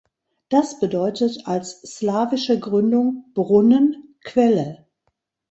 Das bedeutet als slawische Gründung „Brunnen, Quelle“.